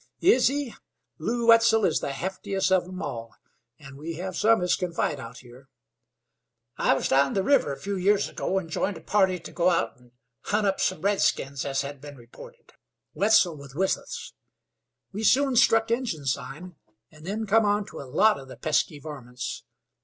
"Is he? Lew Wetzel is the heftiest of 'em all, an' we hev some as kin fight out here. I was down the river a few years ago and joined a party to go out an' hunt up some redskins as had been reported. Wetzel was with us. We soon struck Injun sign, and then come on to a lot of the pesky varmints.